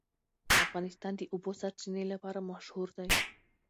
افغانستان د د اوبو سرچینې لپاره مشهور دی.